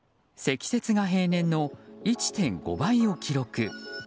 積雪が平年の１．５倍を記録。